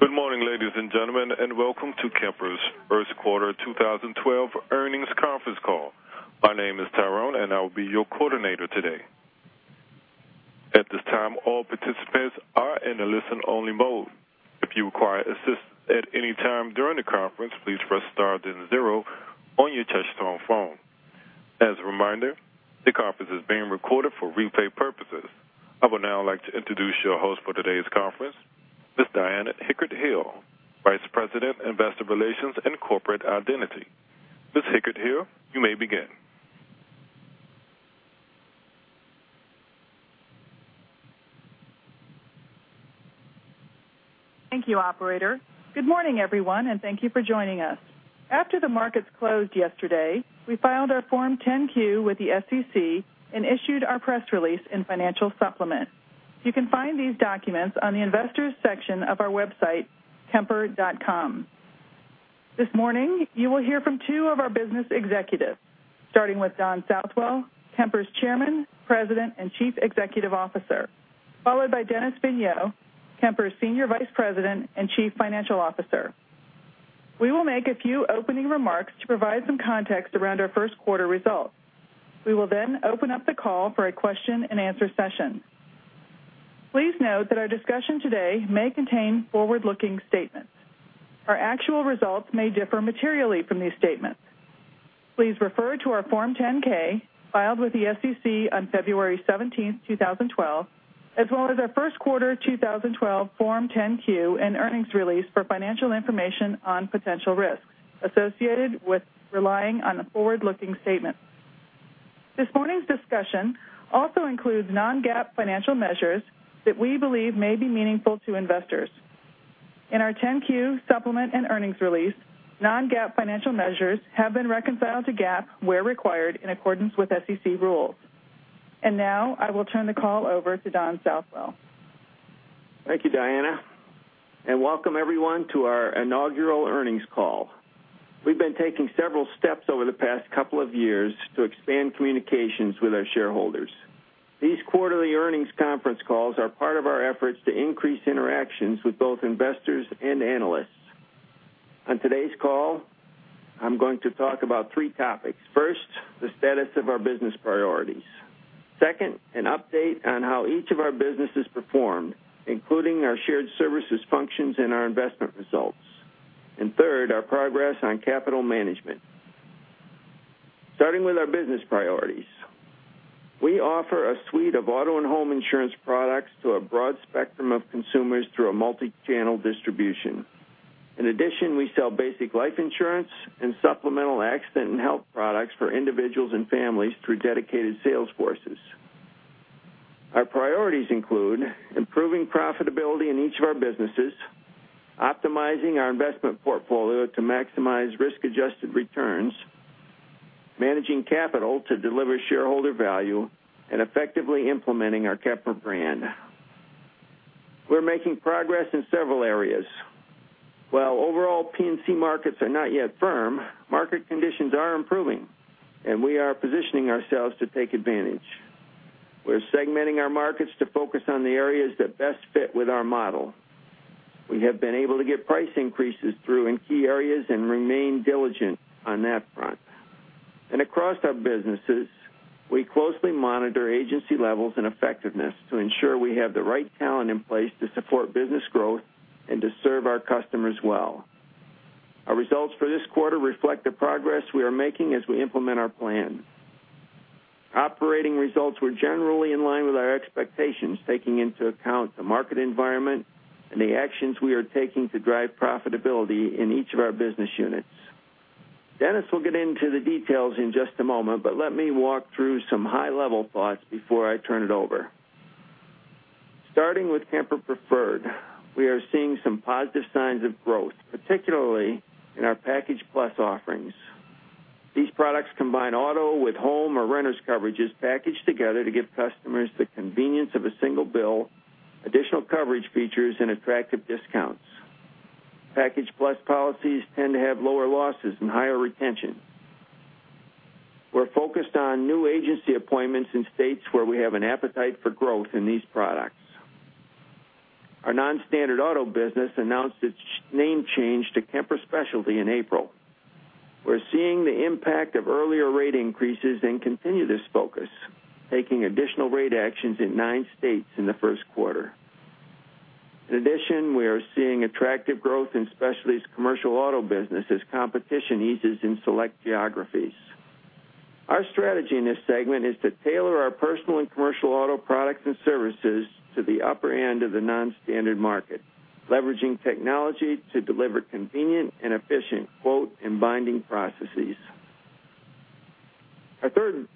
Good morning, ladies and gentlemen, and welcome to Kemper's first quarter 2012 earnings conference call. My name is Tyrone, and I will be your coordinator today. At this time, all participants are in a listen-only mode. If you require assistance at any time during the conference, please press star then zero on your touch-tone phone. As a reminder, the conference is being recorded for replay purposes. I would now like to introduce your host for today's conference, Ms. Diana Hickert-Hill, Vice President, Investor Relations and Corporate Identity. Ms. Hickert-Hill, you may begin. Thank you, operator. Good morning, everyone, thank you for joining us. After the markets closed yesterday, we filed our Form 10-Q with the SEC and issued our press release and financial supplement. You can find these documents on the investors section of our website, kemper.com. This morning, you will hear from two of our business executives, starting with Don Southwell, Kemper's Chairman, President, and Chief Executive Officer, followed by Dennis Vigneau, Kemper's Senior Vice President and Chief Financial Officer. We will make a few opening remarks to provide some context around our first quarter results. We will open up the call for a question-and-answer session. Please note that our discussion today may contain forward-looking statements. Our actual results may differ materially from these statements. Please refer to our Form 10-K, filed with the SEC on February 17th, 2012, as well as our first quarter 2012 Form 10-Q and earnings release for financial information on potential risks associated with relying on the forward-looking statement. This morning's discussion also includes non-GAAP financial measures that we believe may be meaningful to investors. In our 10-Q supplement and earnings release, non-GAAP financial measures have been reconciled to GAAP where required in accordance with SEC rules. Now, I will turn the call over to Don Southwell. Thank you, Diana, welcome everyone to our inaugural earnings call. We've been taking several steps over the past couple of years to expand communications with our shareholders. These quarterly earnings conference calls are part of our efforts to increase interactions with both investors and analysts. On today's call, I'm going to talk about three topics. First, the status of our business priorities. Second, an update on how each of our businesses performed, including our shared services functions and our investment results. Third, our progress on capital management. Starting with our business priorities, we offer a suite of auto and home insurance products to a broad spectrum of consumers through a multi-channel distribution. In addition, we sell basic life insurance and supplemental accident and health products for individuals and families through dedicated sales forces. Our priorities include improving profitability in each of our businesses, optimizing our investment portfolio to maximize risk-adjusted returns, managing capital to deliver shareholder value, and effectively implementing our Kemper brand. We're making progress in several areas. While overall P&C markets are not yet firm, market conditions are improving, and we are positioning ourselves to take advantage. We're segmenting our markets to focus on the areas that best fit with our model. We have been able to get price increases through in key areas and remain diligent on that front. Across our businesses, we closely monitor agency levels and effectiveness to ensure we have the right talent in place to support business growth and to serve our customers well. Our results for this quarter reflect the progress we are making as we implement our plan. Operating results were generally in line with our expectations, taking into account the market environment and the actions we are taking to drive profitability in each of our business units. Package Plus policies tend to have lower losses and higher retention. We're focused on new agency appointments in states where we have an appetite for growth in these products. Our non-standard auto business announced its name change to Kemper Specialty in April. We're seeing the impact of earlier rate increases and continue this focus, taking additional rate actions in nine states in the first quarter. In addition, we are seeing attractive growth in Specialty's commercial auto business as competition eases in select geographies. Our strategy in this segment is to tailor our personal and commercial auto products and services to the upper end of the non-standard market, leveraging technology to deliver convenient and efficient quote and binding processes. Our third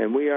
P&C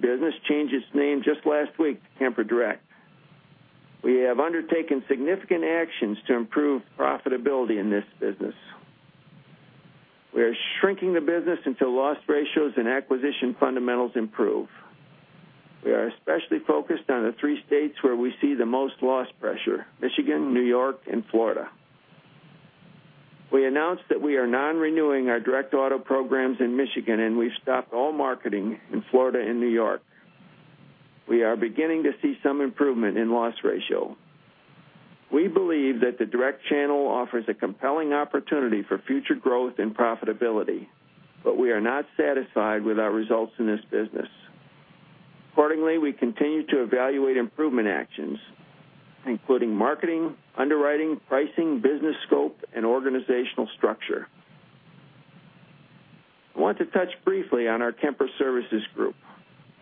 business changed its name just last week to Kemper Direct. We have undertaken significant actions to improve profitability in this business. We are shrinking the business until loss ratios and acquisition fundamentals improve. We are especially focused on the three states where we see the most loss pressure: Michigan, New York, and Florida. We announced that we are non-renewing our direct auto programs in Michigan, and we've stopped all marketing in Florida and New York. We are beginning to see some improvement in loss ratio. We believe that the direct channel offers a compelling opportunity for future growth and profitability, but we are not satisfied with our results in this business. We continue to evaluate improvement actions, including marketing, underwriting, pricing, business scope, and organizational structure. I want to touch briefly on our Kemper Services Group,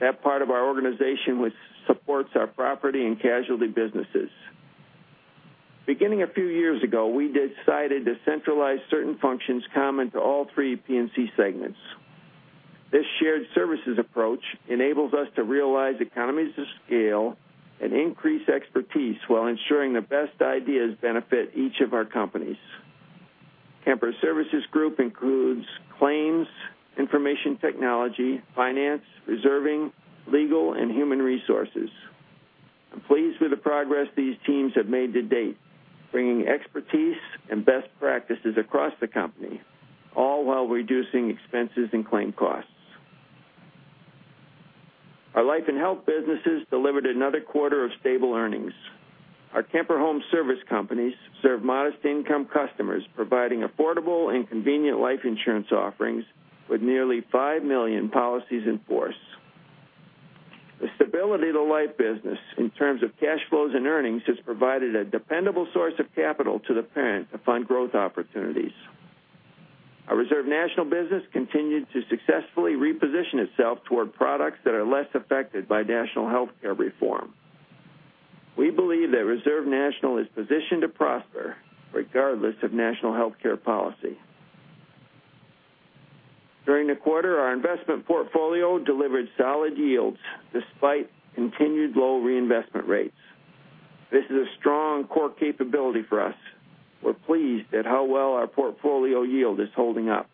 that part of our organization which supports our property and casualty businesses. Beginning a few years ago, we decided to centralize certain functions common to all three P&C segments. This shared services approach enables us to realize economies of scale and increase expertise while ensuring the best ideas benefit each of our companies. Kemper Services Group includes claims, information technology, finance, reserving, legal, and human resources. I'm pleased with the progress these teams have made to date, bringing expertise and best practices across the company, all while reducing expenses and claim costs. Our life and health businesses delivered another quarter of stable earnings. Our Kemper Home Service companies serve modest-income customers, providing affordable and convenient life insurance offerings with nearly five million policies in force. The stability of the life business in terms of cash flows and earnings has provided a dependable source of capital to the parent to fund growth opportunities. Our Reserve National business continued to successfully reposition itself toward products that are less affected by national healthcare reform. We believe that Reserve National is positioned to prosper regardless of national healthcare policy. During the quarter, our investment portfolio delivered solid yields despite continued low reinvestment rates. This is a strong core capability for us. We're pleased at how well our portfolio yield is holding up.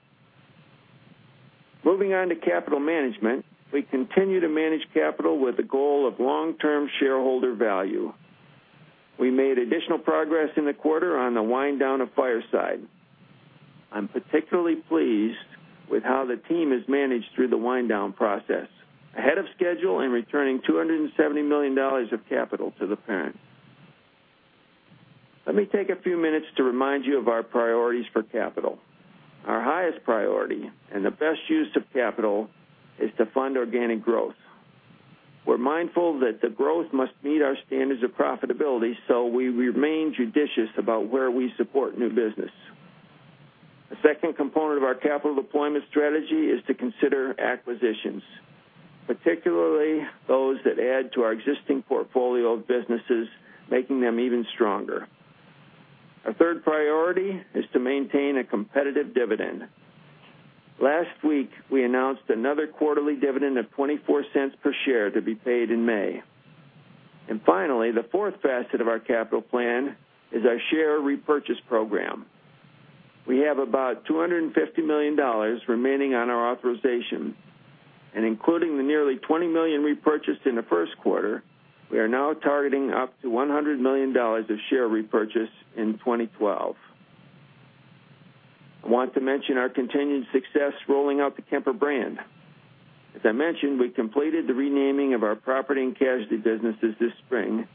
Moving on to capital management, we continue to manage capital with the goal of long-term shareholder value. We made additional progress in the quarter on the wind-down of Fireside. I'm particularly pleased with how the team has managed through the wind-down process, ahead of schedule and returning $270 million of capital to the parent. Let me take a few minutes to remind you of our priorities for capital. Our highest priority and the best use of capital is to fund organic growth. We're mindful that the growth must meet our standards of profitability, so we remain judicious about where we support new business. The second component of our capital deployment strategy is to consider acquisitions, particularly those that add to our existing portfolio of businesses, making them even stronger. we are now targeting up to $100 million of share repurchase in 2012. I want to mention our continued success rolling out the Kemper brand. As I mentioned, we completed the renaming of our property and casualty businesses this spring,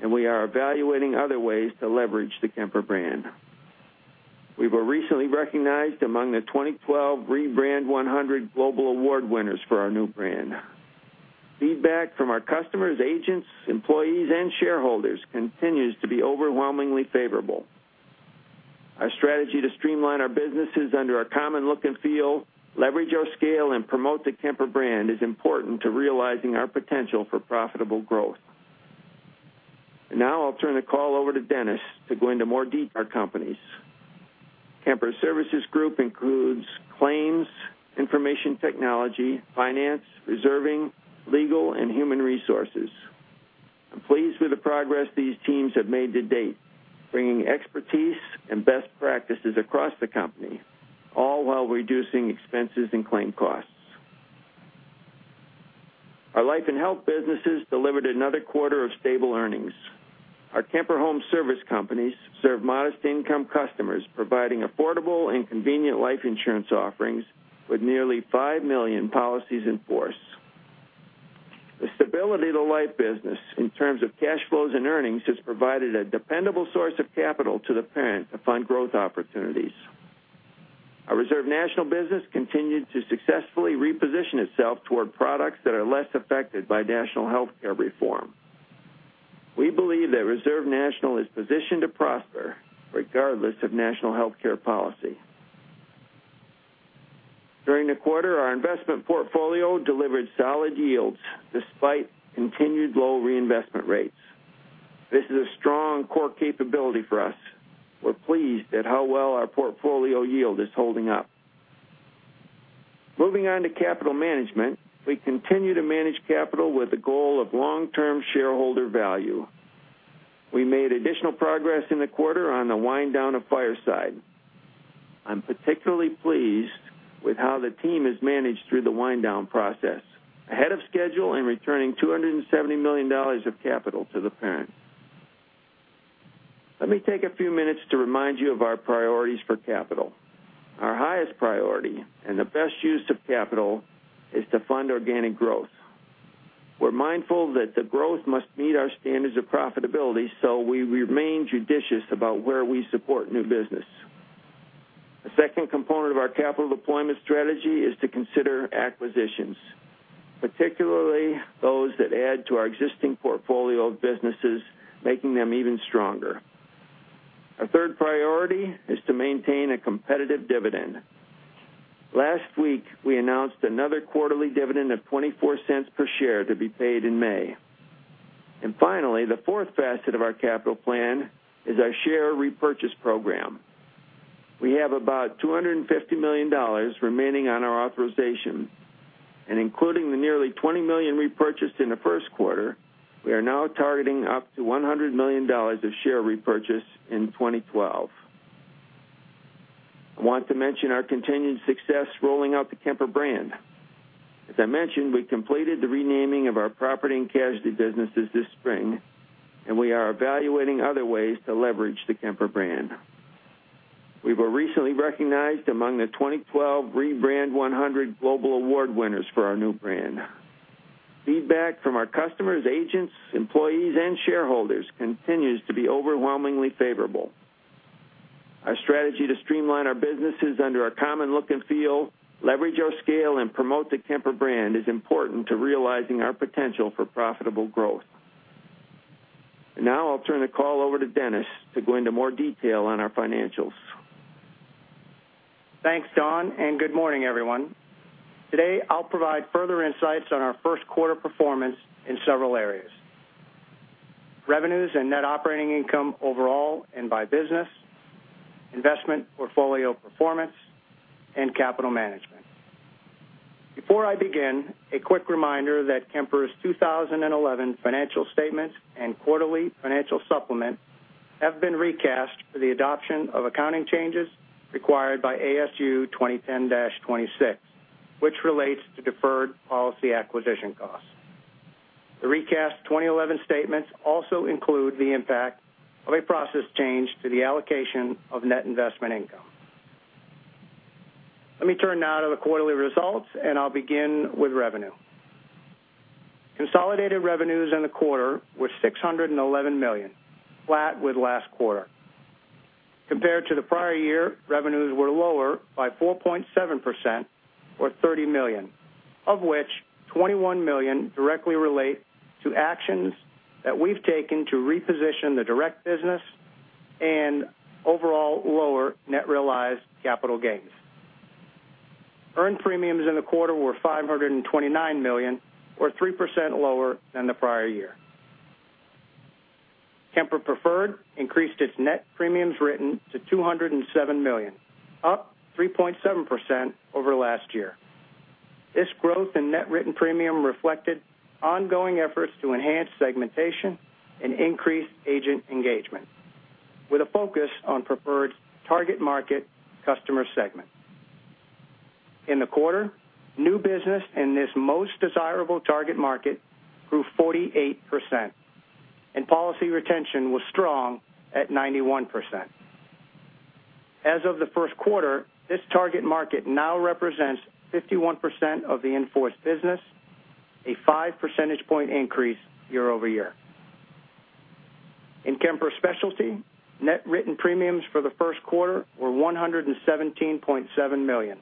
and we are evaluating other ways to leverage the Kemper brand. We were recently recognized among the 2012 REBRAND 100 Global Award winners for our new brand. Feedback from our customers, agents, employees, and shareholders continues to be overwhelmingly favorable. Our strategy to streamline our businesses under a common look and feel, leverage our scale, and promote the Kemper brand is important to realizing our potential for profitable growth. Now I will turn the call over to Dennis to go into more detail on our financials. Thanks, Don, and good morning, everyone. Today, I will provide further insights on our first quarter performance in several areas: revenues and net operating income overall and by business, investment portfolio performance, and capital management. Before I begin, a quick reminder that Kemper's 2011 financial statements and quarterly financial supplement have been recast for the adoption of accounting changes required by ASU 2010-26, which relates to deferred policy acquisition costs. The recast 2011 statements also include the impact of a process change to the allocation of net investment income. Let me turn now to the quarterly results, and I will begin with revenue. Consolidated revenues in the quarter were $611 million, flat with last quarter. Compared to the prior year, revenues were lower by 4.7%, or $30 million, of which $21 million directly relate to actions that we have taken to reposition the Kemper Direct business and overall lower net realized capital gains. Earned premiums in the quarter were $529 million, or 3% lower than the prior year. Kemper Preferred increased its net premiums written to $207 million, up 3.7% over last year. This growth in net written premium reflected ongoing efforts to enhance segmentation and increase agent engagement with a focus on Preferred's target market customer segment. In the quarter, new business in this most desirable target market grew 48%, and policy retention was strong at 91%. As of the first quarter, this target market now represents 51% of the in-force business, a five percentage point increase year-over-year. In Kemper Specialty, net written premiums for the first quarter were $117.7 million,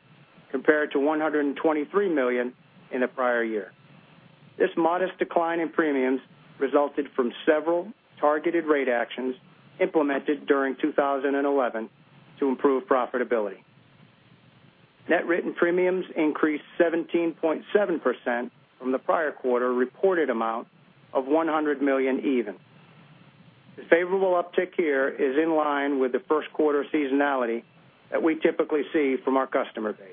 compared to $123 million in the prior year. This modest decline in premiums resulted from several targeted rate actions implemented during 2011 to improve profitability. Net written premiums increased 17.7% from the prior quarter reported amount of $100 million. The favorable uptick here is in line with the first quarter seasonality that we typically see from our customer base.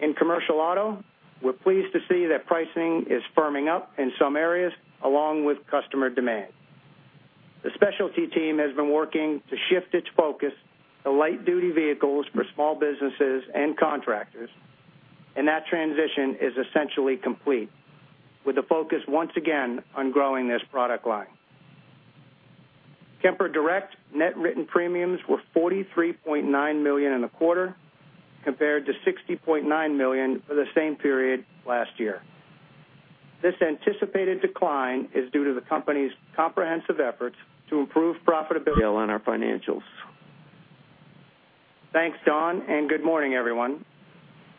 In commercial auto, we're pleased to see that pricing is firming up in some areas, along with customer demand. The specialty team has been working to shift its focus to light-duty vehicles for small businesses and contractors, and that transition is essentially complete, with the focus once again on growing this product line. Kemper Direct net written premiums were $43.9 million in the quarter, compared to $60.9 million for the same period last year. This anticipated decline is due to the company's comprehensive efforts to improve profitability on our financials. Thanks, Don, and good morning, everyone.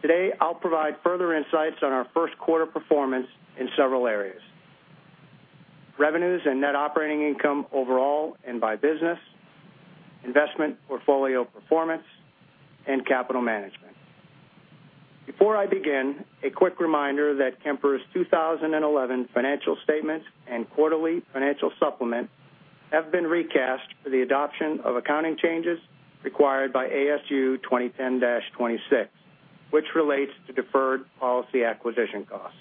Today, I'll provide further insights on our first quarter performance in several areas: revenues and net operating income overall and by business, investment portfolio performance, and capital management. Before I begin, a quick reminder that Kemper's 2011 financial statements and quarterly financial supplement have been recast for the adoption of accounting changes required by ASU 2010-26, which relates to deferred policy acquisition costs.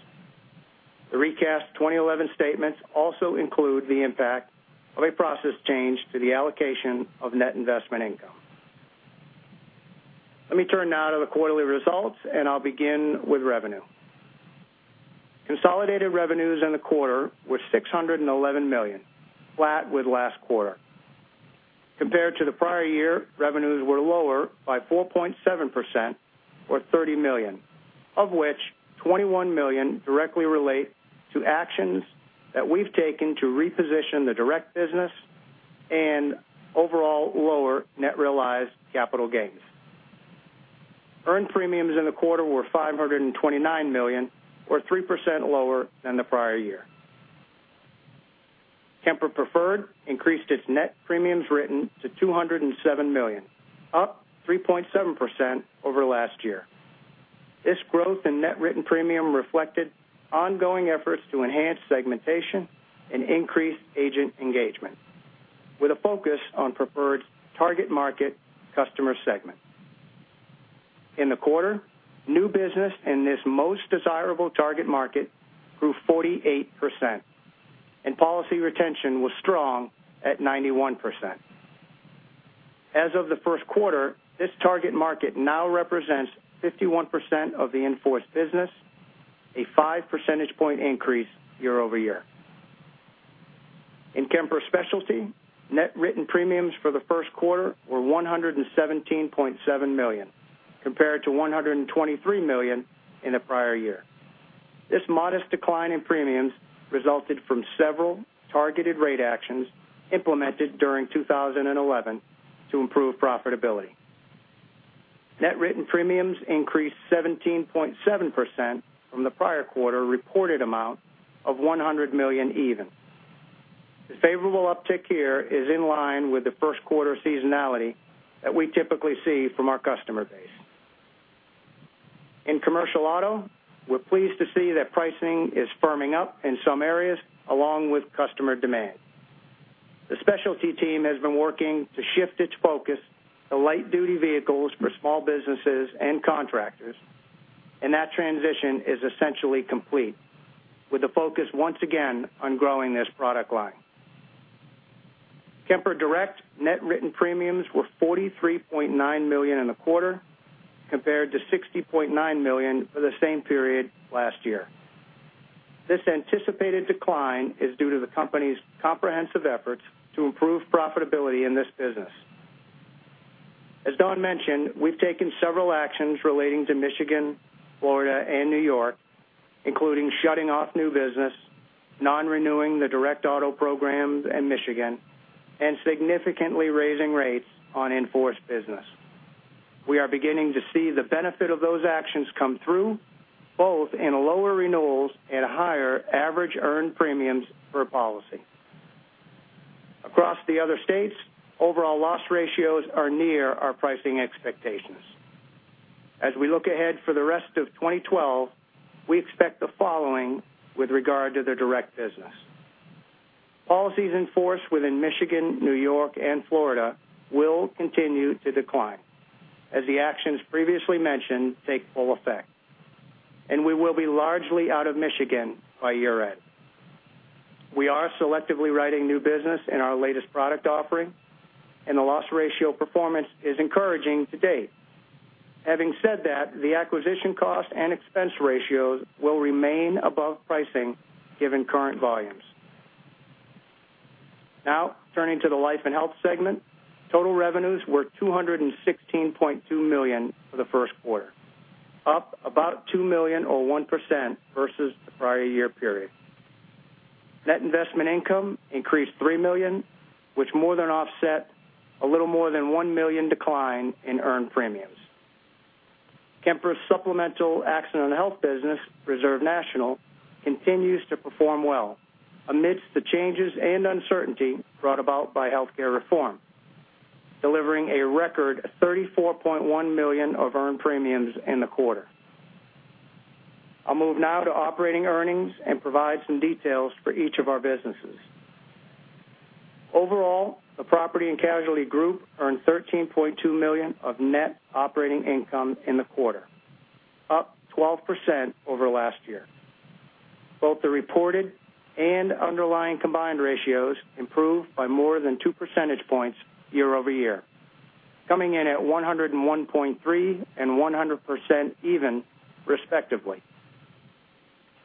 The recast 2011 statements also include the impact of a process change to the allocation of net investment income. Let me turn now to the quarterly results, and I'll begin with revenue. Consolidated revenues in the quarter were $611 million, flat with last quarter. Compared to the prior year, revenues were lower by 4.7%, or $30 million, of which $21 million directly relate to actions that we've taken to reposition the direct business and overall lower net realized capital gains. Earned premiums in the quarter were $529 million, or 3% lower than the prior year. Kemper Preferred increased its net premiums written to $207 million, up 3.7% over last year. This growth in net written premium reflected ongoing efforts to enhance segmentation and increase agent engagement with a focus on Preferred's target market customer segment. In the quarter, new business in this most desirable target market grew 48%, and policy retention was strong at 91%. As of the first quarter, this target market now represents 51% of the in-force business, a five percentage point increase year-over-year. In Kemper Specialty, net written premiums for the first quarter were $117.7 million, compared to $123 million in the prior year. This modest decline in premiums resulted from several targeted rate actions implemented during 2011 to improve profitability. Net written premiums increased 17.7% from the prior quarter reported amount of $100 million. The favorable uptick here is in line with the first quarter seasonality that we typically see from our customer base. In commercial auto, we're pleased to see that pricing is firming up in some areas, along with customer demand. The specialty team has been working to shift its focus to light-duty vehicles for small businesses and contractors, and that transition is essentially complete, with the focus once again on growing this product line. Kemper Direct net written premiums were $43.9 million in the quarter, compared to $60.9 million for the same period last year. This anticipated decline is due to the company's comprehensive efforts to improve profitability in this business. As Don mentioned, we've taken several actions relating to Michigan, Florida, and New York, including shutting off new business, non-renewing the direct auto programs in Michigan, and significantly raising rates on in-force business. We are beginning to see the benefit of those actions come through, both in lower renewals and higher average earned premiums per policy. Across the other states, overall loss ratios are near our pricing expectations. As we look ahead for the rest of 2012, we expect the following with regard to the direct business. Policies in force within Michigan, New York, and Florida will continue to decline as the actions previously mentioned take full effect, and we will be largely out of Michigan by year-end. We are selectively writing new business in our latest product offering, and the loss ratio performance is encouraging to date. Having said that, the acquisition cost and expense ratios will remain above pricing given current volumes. Turning to the life and health segment, total revenues were $216.2 million for the first quarter, up about $2 million or 1% versus the prior year period. Net investment income increased $3 million, which more than offset a little more than $1 million decline in earned premiums. Kemper's supplemental accident and health business, Reserve National, continues to perform well amidst the changes and uncertainty brought about by healthcare reform, delivering a record $34.1 million of earned premiums in the quarter. I'll move now to operating earnings and provide some details for each of our businesses. Overall, the property and casualty group earned $13.2 million of net operating income in the quarter, up 12% year-over-year. Both the reported and underlying combined ratios improved by more than two percentage points year-over-year, coming in at 101.3 and 100% even respectively.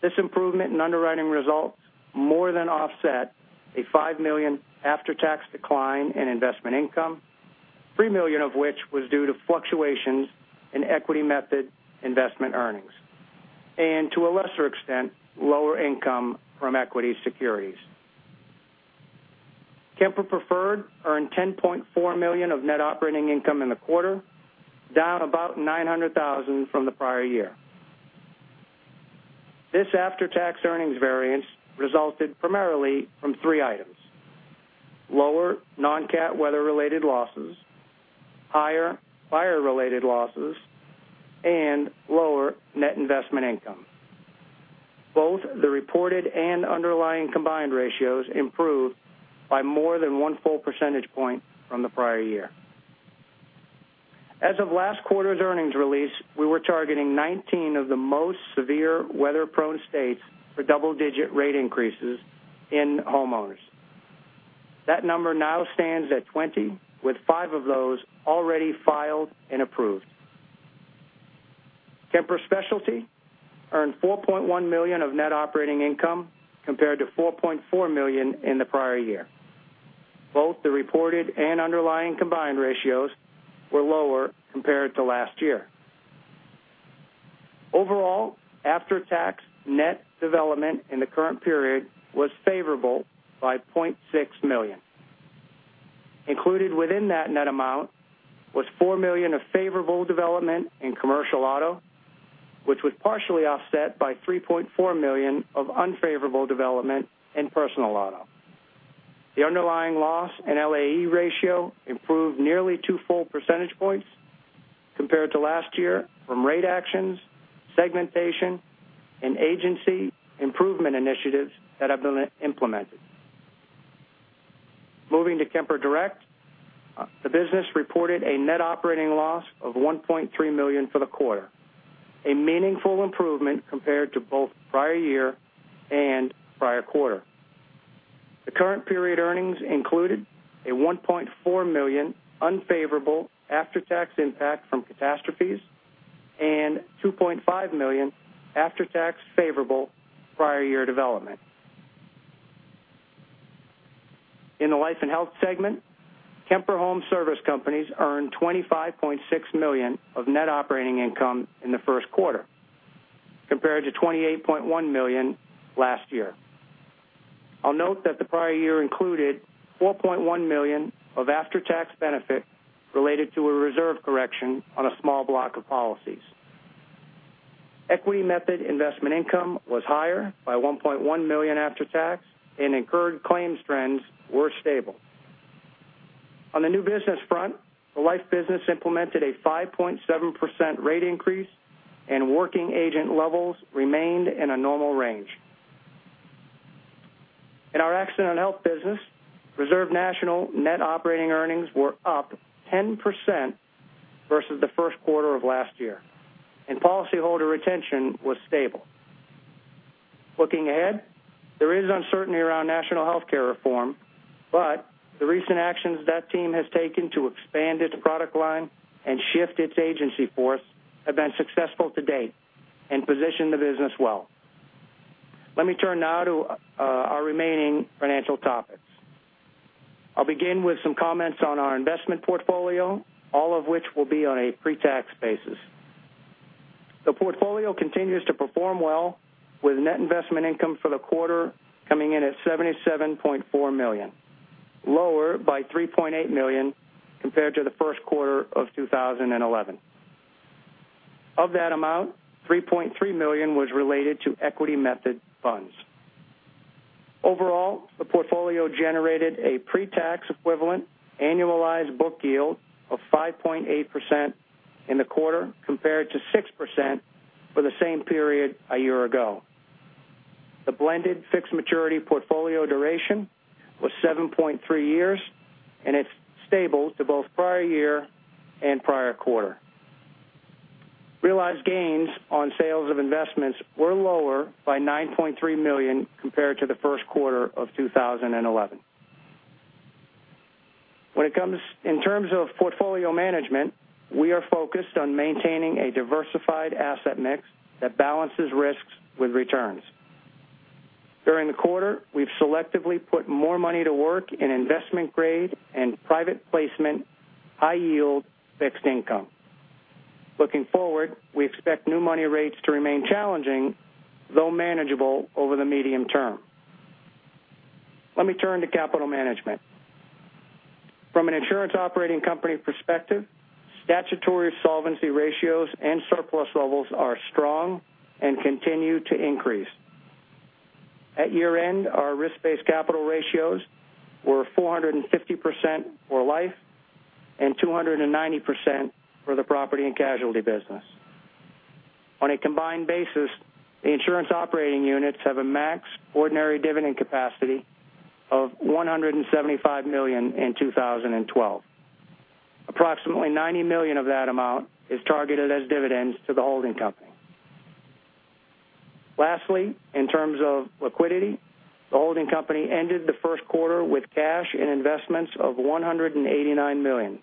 This improvement in underwriting results more than offset a $5 million after-tax decline in investment income, $3 million of which was due to fluctuations in equity method investment earnings and, to a lesser extent, lower income from equity securities. Kemper Preferred earned $10.4 million of net operating income in the quarter, down about $900,000 from the prior year. This after-tax earnings variance resulted primarily from three items, lower non-cat weather-related losses, higher fire-related losses, and lower net investment income. Both the reported and underlying combined ratios improved by more than one full percentage point from the prior year. As of last quarter's earnings release, we were targeting 19 of the most severe weather-prone states for double-digit rate increases in homeowners. That number now stands at 20, with five of those already filed and approved. Kemper Specialty earned $4.1 million of net operating income compared to $4.4 million in the prior year. Both the reported and underlying combined ratios were lower compared to last year. Overall, after-tax net development in the current period was favorable by $0.6 million. Included within that net amount was $4 million of favorable development in commercial auto, which was partially offset by $3.4 million of unfavorable development in personal auto. The underlying loss and LAE ratio improved nearly two full percentage points compared to last year from rate actions, segmentation, and agency improvement initiatives that have been implemented. Moving to Kemper Direct, the business reported a net operating loss of $1.3 million for the quarter, a meaningful improvement compared to both prior year and prior quarter. The current period earnings included a $1.4 million unfavorable after-tax impact from catastrophes and $2.5 million after-tax favorable prior year development. In the life and health segment, Kemper Home Service Companies earned $25.6 million of net operating income in the first quarter, compared to $28.1 million last year. I'll note that the prior year included $4.1 million of after-tax benefit related to a reserve correction on a small block of policies. Equity method investment income was higher by $1.1 million after-tax and incurred claims trends were stable. On the new business front, the life business implemented a 5.7% rate increase and working agent levels remained in a normal range. In our accident health business, Reserve National net operating earnings were up 10% versus the first quarter of last year, and policyholder retention was stable. Looking ahead. There is uncertainty around national healthcare reform, but the recent actions that team has taken to expand its product line and shift its agency force have been successful to date and position the business well. Let me turn now to our remaining financial topics. I'll begin with some comments on our investment portfolio, all of which will be on a pre-tax basis. The portfolio continues to perform well, with net investment income for the quarter coming in at $77.4 million, lower by $3.8 million compared to the first quarter of 2011. Of that amount, $3.3 million was related to Equity method funds. Overall, the portfolio generated a pre-tax equivalent annualized book yield of 5.8% in the quarter, compared to 6% for the same period a year ago. The blended fixed maturity portfolio duration was 7.3 years, and it's stable to both prior year and prior quarter. Realized gains on sales of investments were lower by $9.3 million compared to the first quarter of 2011. In terms of portfolio management, we are focused on maintaining a diversified asset mix that balances risks with returns. During the quarter, we've selectively put more money to work in investment-grade and private placement high-yield fixed income. Looking forward, we expect new money rates to remain challenging, though manageable over the medium term. Let me turn to capital management. From an insurance operating company perspective, statutory solvency ratios and surplus levels are strong and continue to increase. At year-end, our risk-based capital ratios were 450% for life and 290% for the property and casualty business. On a combined basis, the insurance operating units have a max ordinary dividend capacity of $175 million in 2012. Approximately $90 million of that amount is targeted as dividends to the holding company. Lastly, in terms of liquidity, the holding company ended the first quarter with cash and investments of $189 million.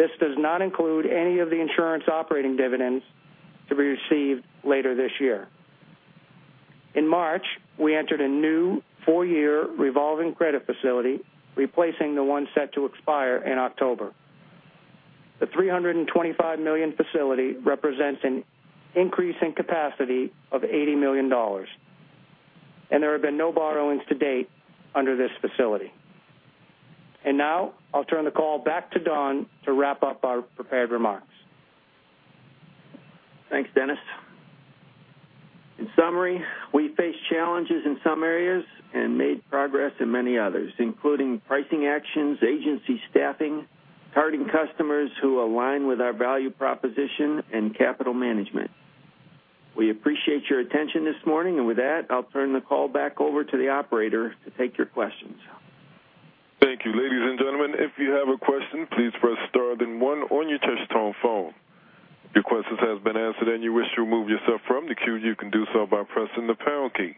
This does not include any of the insurance operating dividends to be received later this year. In March, we entered a new four-year revolving credit facility, replacing the one set to expire in October. The $325 million facility represents an increase in capacity of $80 million, and there have been no borrowings to date under this facility. Now I'll turn the call back to Don to wrap up our prepared remarks. Thanks, Dennis. In summary, we faced challenges in some areas and made progress in many others, including pricing actions, agency staffing, targeting customers who align with our value proposition, and capital management. We appreciate your attention this morning. With that, I'll turn the call back over to the operator to take your questions. Thank you. Ladies and gentlemen, if you have a question, please press star then one on your touch-tone phone. If your question has been answered and you wish to remove yourself from the queue, you can do so by pressing the pound key.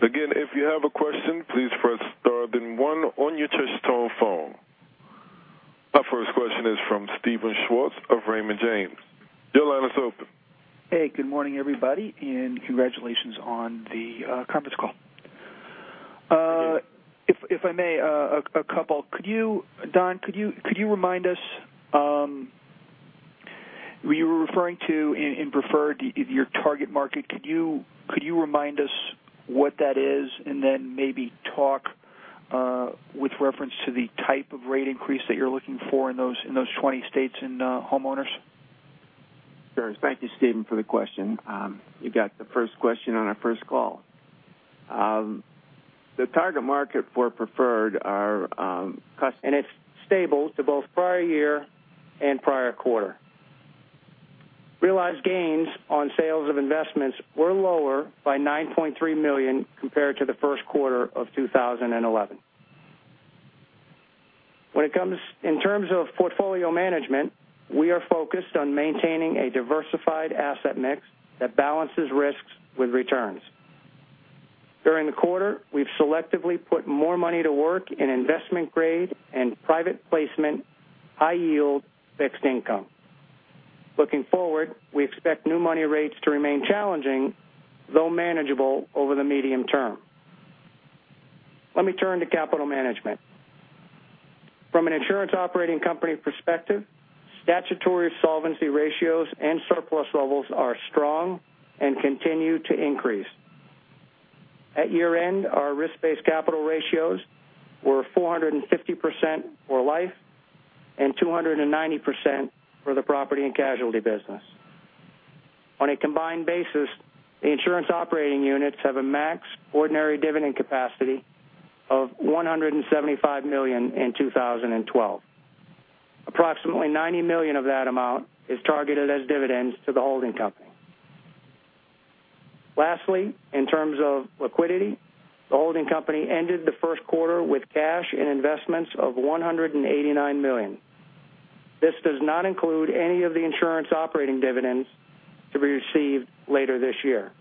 Again, if you have a question, please press star then one on your touch-tone phone. Our first question is from Steven Schwartz of Raymond James. Your line is open. Hey, good morning, everybody, congratulations on the conference call. Thank you. If I may, a couple. Don, could you remind us, you were referring to in Kemper Preferred, your target market, could you remind us what that is and then maybe talk with reference to the type of rate increase that you're looking for in those 20 states in homeowners? Sure. Thank you, Steven, for the question. You got the first question on our first call. The target market for Kemper Preferred are. It's stable to both prior year and prior quarter. Realized gains on sales of investments were lower by $9.3 million compared to the first quarter of 2011. In terms of portfolio management, we are focused on maintaining a diversified asset mix that balances risks with returns. During the quarter, we've selectively put more money to work in investment-grade and private placement high-yield fixed income. Looking forward, we expect new money rates to remain challenging, though manageable over the medium term. Let me turn to capital management. From an insurance operating company perspective, statutory solvency ratios and surplus levels are strong and continue to increase. At year-end, our risk-based capital ratios were 450% for life and 290% for the property and casualty business. On a combined basis, the insurance operating units have a max ordinary dividend capacity of $175 million in 2012. Approximately $90 million of that amount is targeted as dividends to the holding company. Lastly, in terms of liquidity, the holding company ended the first quarter with cash and investments of $189 million. This does not include any of the insurance operating dividends to be received later this year.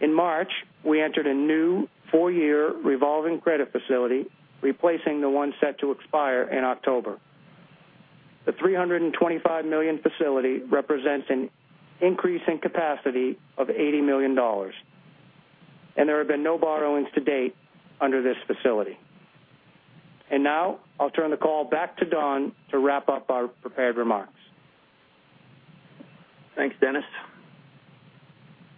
In March, we entered a new four-year revolving credit facility, replacing the one set to expire in October. The $325 million facility represents an increase in capacity of $80 million, and there have been no borrowings to date under this facility. Now I'll turn the call back to Don to wrap up our prepared remarks. Thanks, Dennis.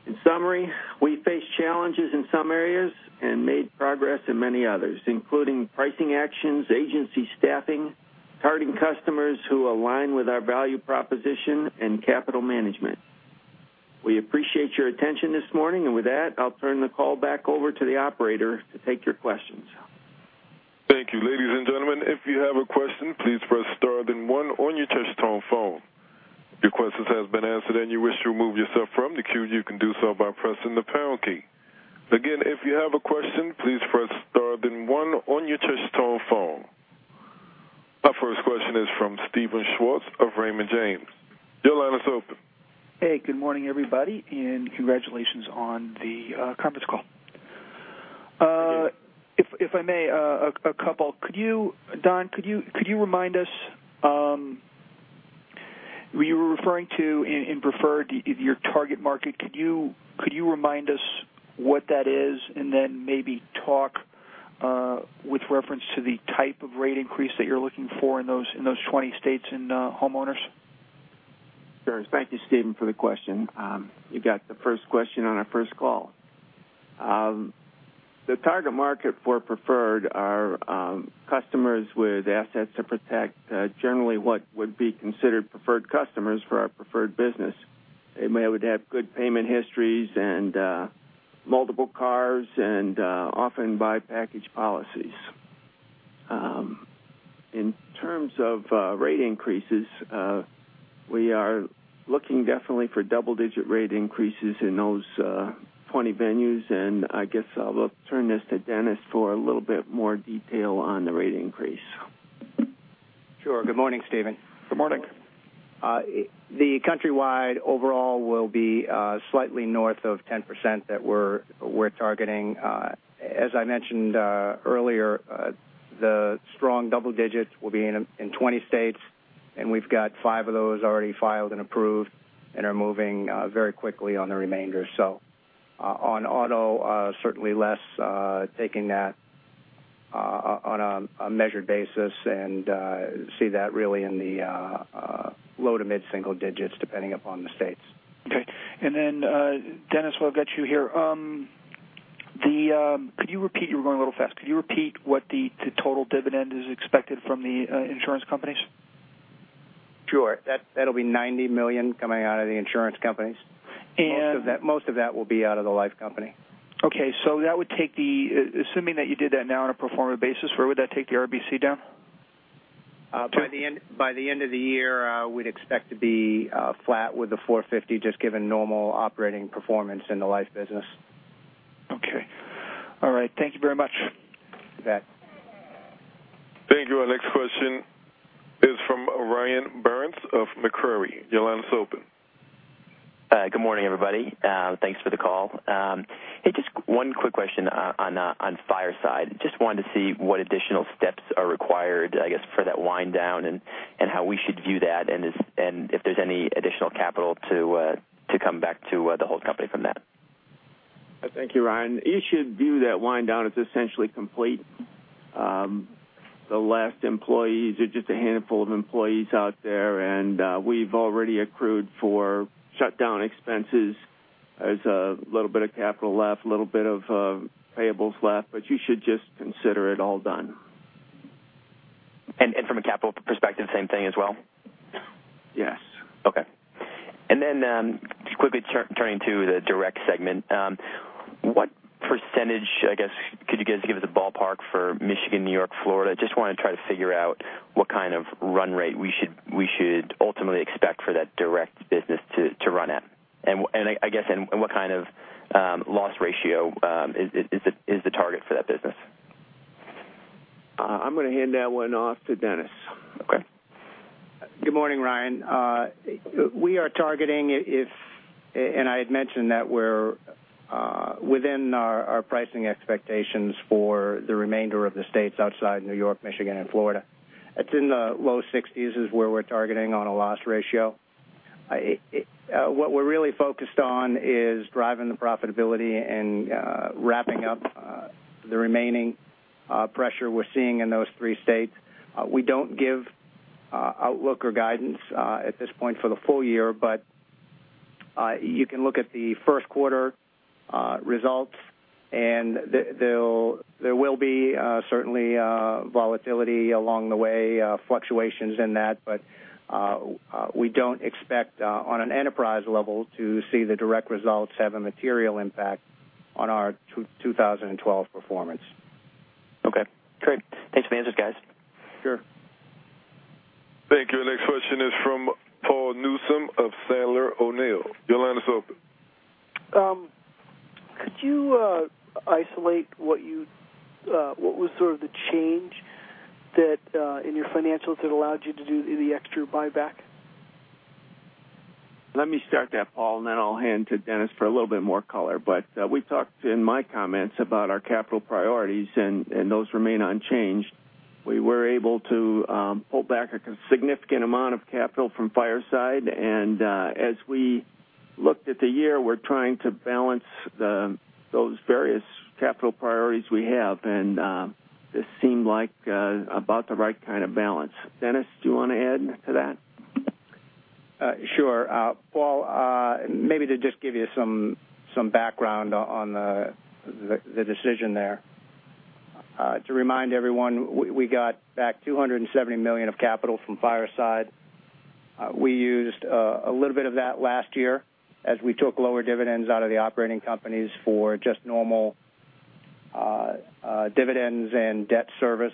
In summary, we faced challenges in some areas and made progress in many others, including pricing actions, agency staffing, targeting customers who align with our value proposition, and capital management. We appreciate your attention this morning. With that, I'll turn the call back over to the operator to take your questions. Thank you. Ladies and gentlemen, if you have a question, please press star then one on your touch-tone phone. If your question has been answered and you wish to remove yourself from the queue, you can do so by pressing the pound key. Again, if you have a question, please press star then one on your touch-tone phone. Our first question is from Steven Schwartz of Raymond James. Your line is open. Hey. Good morning, everybody, and congratulations on the conference call. Thank you. If I may, a couple. Don, could you remind us, you were referring to in Preferred your target market. Could you remind us what that is and then maybe talk with reference to the type of rate increase that you're looking for in those 20 states in homeowners? Sure. Thank you, Steven, for the question. You got the first question on our first call. The target market for Preferred are customers with assets to protect, generally what would be considered preferred customers for our Preferred business. They would have good payment histories and multiple cars and often buy package policies. In terms of rate increases, we are looking definitely for double-digit rate increases in those 20 venues, I guess I will turn this to Dennis for a little bit more detail on the rate increase. Sure. Good morning, Steven. Good morning. The countrywide overall will be slightly north of 10% that we're targeting. As I mentioned earlier, the strong double digits will be in 20 states, and we've got five of those already filed and approved and are moving very quickly on the remainder. On auto, certainly less, taking that on a measured basis and see that really in the low- to mid-single digits, depending upon the states. Okay. Dennis, while I've got you here, you were going a little fast. Could you repeat what the total dividend is expected from the insurance companies? Sure. That'll be $90 million coming out of the insurance companies. And- Most of that will be out of the life company. Okay. Assuming that you did that now on a pro forma basis, where would that take the RBC down? By the end of the year, we'd expect to be flat with the 450, just given normal operating performance in the life business. Okay. All right. Thank you very much. You bet. Thank you. Our next question is from Ryan Burns of Macquarie. Your line is open. Hi. Good morning, everybody. Thanks for the call. Hey, just one quick question on Fireside. Just wanted to see what additional steps are required, I guess, for that wind down and how we should view that and if there's any additional capital to come back to the whole company from that. Thank you, Ryan. You should view that wind down as essentially complete. The last employees are just a handful of employees out there. We've already accrued for shutdown expenses. There's a little bit of capital left, a little bit of payables left, you should just consider it all done. From a capital perspective, same thing as well? Yes. Okay. Just quickly turning to the direct segment. What percentage, I guess, could you guys give us a ballpark for Michigan, New York, Florida? Just want to try to figure out what kind of run rate we should ultimately expect for that direct business to run at. What kind of loss ratio is the target for that business? I'm going to hand that one off to Dennis. Okay. Good morning, Ryan. We are targeting if, I had mentioned that we're within our pricing expectations for the remainder of the states outside New York, Michigan, and Florida. It's in the low 60s is where we're targeting on a loss ratio. What we're really focused on is driving the profitability and wrapping up the remaining pressure we're seeing in those three states. We don't give outlook or guidance at this point for the full year. You can look at the first quarter results, there will be certainly volatility along the way, fluctuations in that. We don't expect on an enterprise level to see the direct results have a material impact on our 2012 performance. Okay, great. Thanks for the answers, guys. Sure. Thank you. Our next question is from Paul Newsome of Sandler O'Neill. Your line is open. Isolate what was sort of the change in your financials that allowed you to do the extra buyback? Let me start that, Paul, then I'll hand to Dennis for a little bit more color. We talked in my comments about our capital priorities, and those remain unchanged. We were able to pull back a significant amount of capital from Fireside, as we looked at the year, we're trying to balance those various capital priorities we have, this seemed like about the right kind of balance. Dennis, do you want to add to that? Sure. Paul, maybe to just give you some background on the decision there. To remind everyone, we got back $270 million of capital from Fireside. We used a little bit of that last year as we took lower dividends out of the operating companies for just normal dividends and debt service.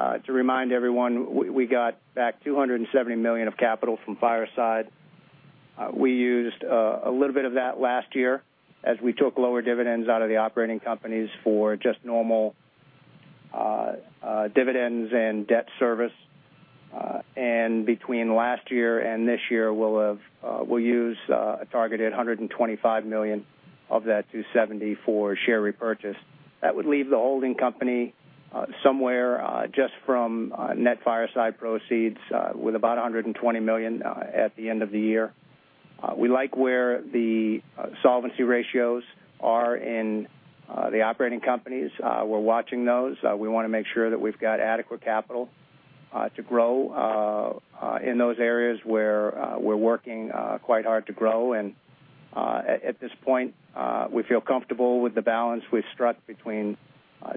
Between last year and this year, we'll use a targeted $125 million of that $270 million for share repurchase. That would leave the holding company somewhere just from net Fireside proceeds with about $120 million at the end of the year. We like where the solvency ratios are in the operating companies. We're watching those. We want to make sure that we've got adequate capital to grow in those areas where we're working quite hard to grow. At this point, we feel comfortable with the balance we've struck between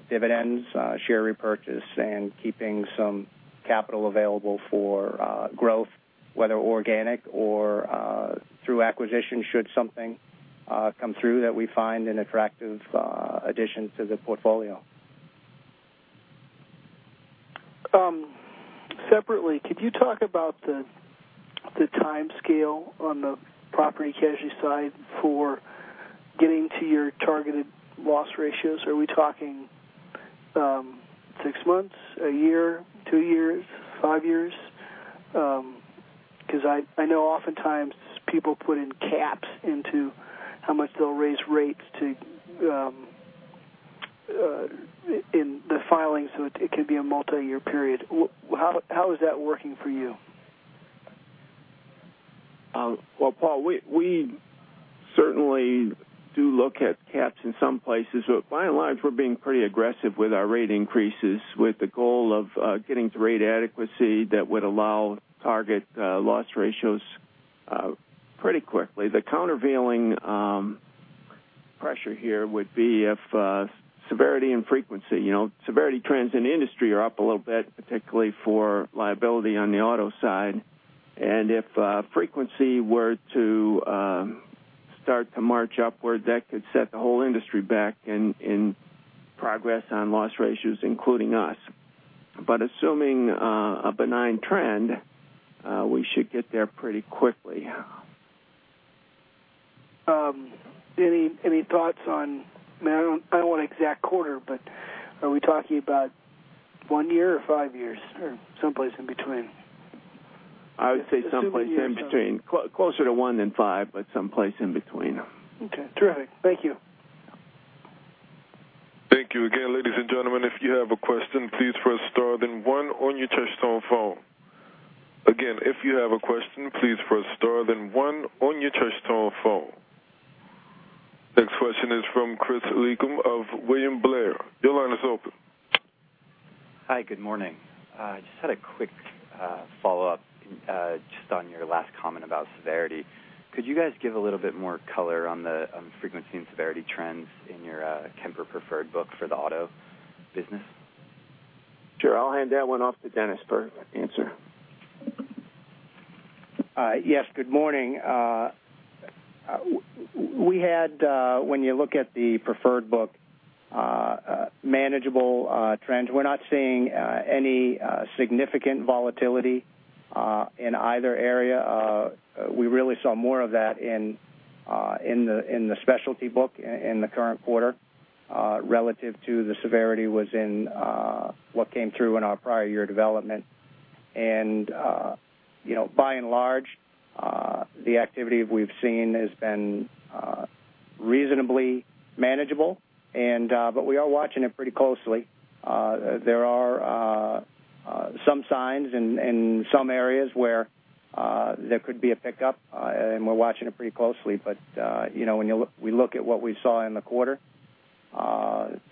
dividends, share repurchase, and keeping some capital available for growth, whether organic or through acquisition, should something come through that we find an attractive addition to the portfolio. Separately, could you talk about the timescale on the property casualty side for getting to your targeted loss ratios? Are we talking six months, a year, two years, five years? Because I know oftentimes people put in caps into how much they'll raise rates in the filings, so it could be a multi-year period. How is that working for you? Well, Paul, we certainly start to march upward, that could set the whole industry back in progress on loss ratios, including us. Assuming a benign trend, we should get there pretty quickly. Any thoughts on, I don't want exact quarter, are we talking about one year or five years, or someplace in between? I would say someplace in between. Closer to one than five, but someplace in between. Okay. Terrific. Thank you. Thank you again, ladies and gentlemen. If you have a question, please press star then one on your touch-tone phone. Again, if you have a question, please press star then one on your touch-tone phone. Next question is from Christine Puhle of William Blair. Your line is open. Hi, good morning. Just had a quick follow-up just on your last comment about severity. Could you guys give a little bit more color on the frequency and severity trends in your Kemper Preferred book for the auto business? Sure. I'll hand that one off to Dennis for an answer. Yes, good morning. We had, when you look at the preferred book, manageable trends. We're not seeing any significant volatility in either area. We really saw more of that in the specialty book in the current quarter relative to the severity was in what came through in our prior year development. By and large, the activity we've seen has been reasonably manageable, but we are watching it pretty closely. There are some signs in some areas where there could be a pickup, and we're watching it pretty closely. When we look at what we saw in the quarter,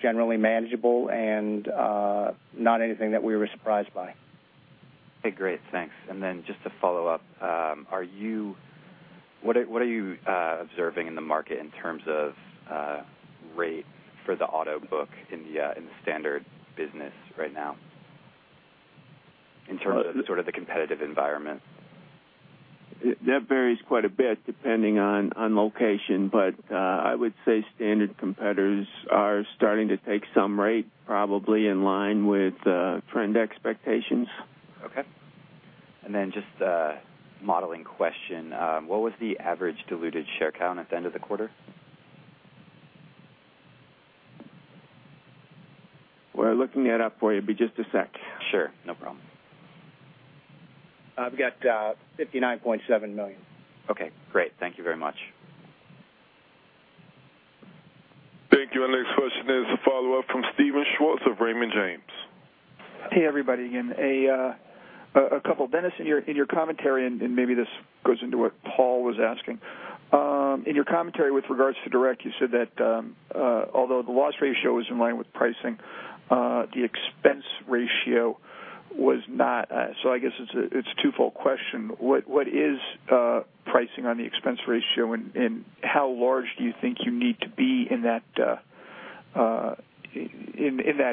generally manageable and not anything that we were surprised by. Okay, great. Thanks. Just to follow up, what are you observing in the market in terms of rate for the auto book in the standard business right now, in terms of sort of the competitive environment? That varies quite a bit depending on location, but I would say standard competitors are starting to take some rate probably in line with trend expectations. Okay. Then just a modeling question. What was the average diluted share count at the end of the quarter? We're looking it up for you. Be just a sec. Sure, no problem. I've got $59.7 million. Okay, great. Thank you very much. Thank you. Our next question is a follow-up from Steven Schwartz of Raymond James. Hey, everybody. Dennis, in your commentary, and maybe this goes into what Paul was asking. In your commentary with regards to Direct, you said that although the loss ratio was in line with pricing, the expense ratio was not. I guess it's a twofold question. What is pricing on the expense ratio, and how large do you think you need to be in that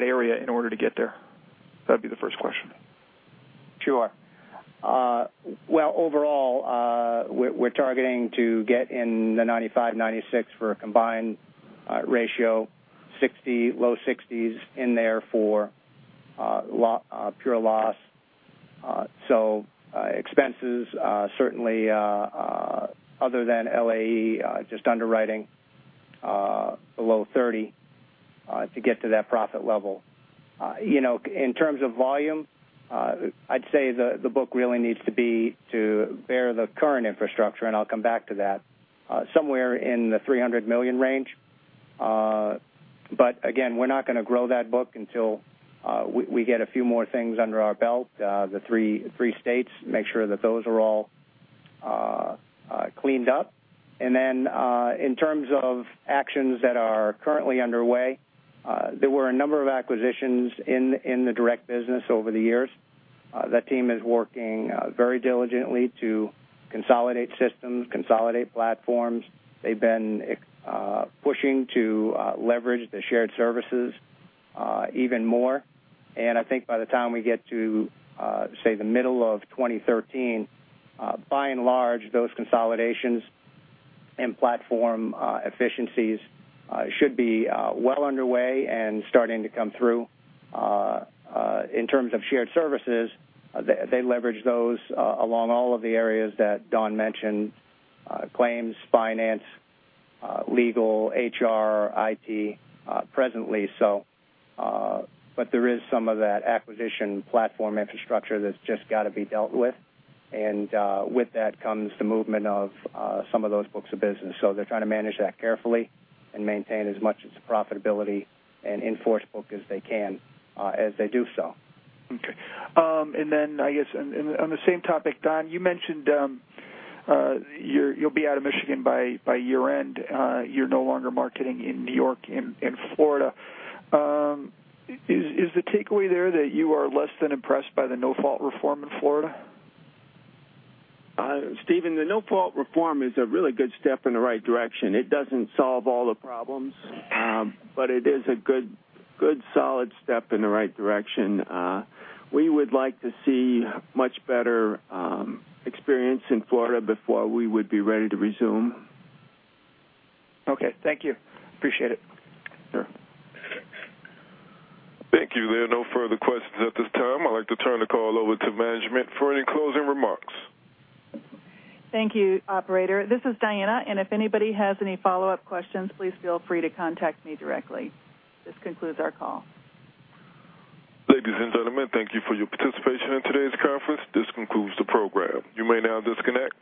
area in order to get there? That'd be the first question. Sure. Well, overall, we're targeting to get in the 95%, 96% for a combined ratio, 60%, low 60s in there for pure loss. Expenses certainly other than LAE, just underwriting below 30% to get to that profit level. In terms of volume, I'd say the book really needs to bear the current infrastructure, and I'll come back to that, somewhere in the $300 million range. Again, we're not going to grow that book until we get a few more things under our belt. The three states, make sure that those are all cleaned up. In terms of actions that are currently underway, there were a number of acquisitions in the Direct business over the years. That team is working very diligently to consolidate systems, consolidate platforms. They've been pushing to leverage the shared services even more. I think by the time we get to, say, the middle of 2013, by and large, those consolidations and platform efficiencies should be well underway and starting to come through. In terms of shared services, they leverage those along all of the areas that Don mentioned, claims, finance, legal, HR, IT presently. There is some of that acquisition platform infrastructure that's just got to be dealt with. With that comes the movement of some of those books of business. They're trying to manage that carefully and maintain as much as profitability and in-force book as they can as they do so. Okay. Then I guess on the same topic, Don, you mentioned you'll be out of Michigan by year-end. You're no longer marketing in New York and Florida. Thank you. There are no further questions at this time. I'd like to turn the call over to management for any closing remarks. Thank you, operator. This is Diana. If anybody has any follow-up questions, please feel free to contact me directly. This concludes our call. Ladies and gentlemen, thank you for your participation in today's conference. This concludes the program. You may now disconnect.